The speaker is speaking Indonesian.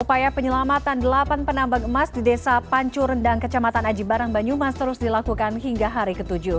upaya penyelamatan delapan penambang emas di desa pancu rendang kecamatan aji barang banyumas terus dilakukan hingga hari ke tujuh